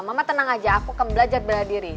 mama tenang aja aku akan belajar bela diri